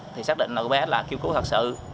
thì xác định là cô bé là kiêu cứu thật sự